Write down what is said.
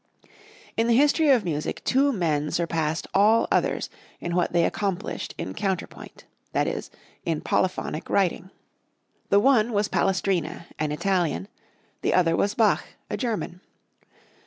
In the history of music two men surpassed all others in what they accomplished in counterpoint that is, in polyphonic writing. The one was Palestrina, an Italian; the other was Bach, a German.